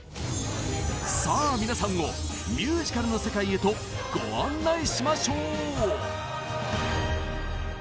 さあ皆さんをミュージカルの世界へとご案内しましょう！